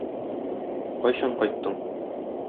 Кайчан кайттың?